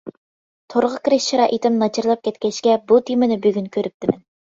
تورغا كىرىش شارائىتىم ناچارلاپ كەتكەچكە بۇ تېمىنى بۈگۈن كۆرۈپتىمەن.